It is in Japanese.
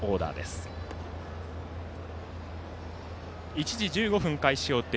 １時１５分開始予定。